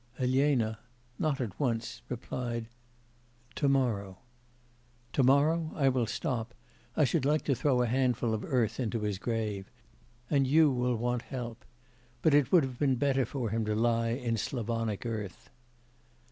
Elena not at once replied, 'To morrow.' 'To morrow? I will stop; I should like to throw a handful of earth into his grave. And you will want help. But it would have been better for him to lie in Slavonic earth.